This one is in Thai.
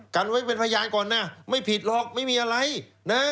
กันไว้เป็นพยานก่อนนะไม่ผิดหรอกไม่มีอะไรนะ